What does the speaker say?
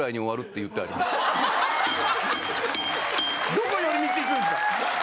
どこ寄り道行くんですか？